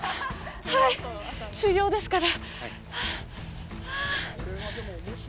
はい、修行ですから。